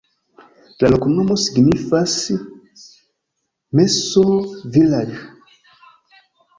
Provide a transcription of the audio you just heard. La loknomo signifas: meso-vilaĝ'.